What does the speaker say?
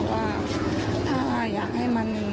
ว่าถ้าอยากให้มัน